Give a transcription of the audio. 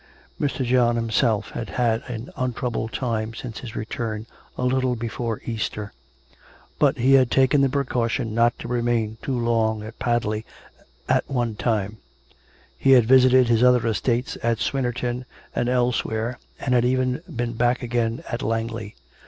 Mr. John himself had had an un 381 382 COME RACK! COME ROPE! troubled time since his return a little before Easter; but he had taken the precaution not to remain too long at Padley at one time; he had visited his other estates at Swynnerton and elsewhere, and had even been back again at Langley.